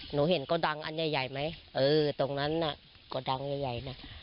หนูเห็นกระดังอันใหญ่ไหมเออตรงนั้นน่ะกระดังใหญ่น่ะ